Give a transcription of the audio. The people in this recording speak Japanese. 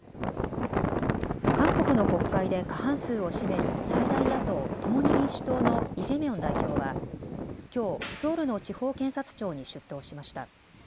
韓国の国会で過半数を占める最大野党、共に民主党のイ・ジェミョン代表はきょうソウルの地方検察庁に出頭しました。